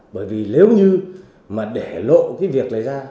bởi vì nếu như mà để lộ cái việc này ra